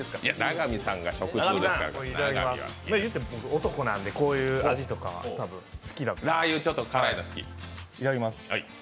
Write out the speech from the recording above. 男なんで、こういう味とかは好きだと思います。